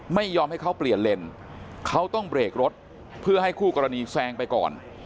ไม่ยอมให้เขาเปลี่ยนเลนเขาต้องเบรกรถเพื่อให้คู่กรณีแซงไปก่อน